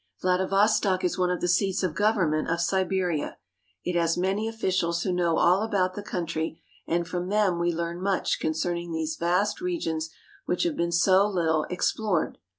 Vladivostok is one of the seats of government of Siberia. It has many officials who know all about the country, and from them we learn much concerning these vast regions which have been so little explored.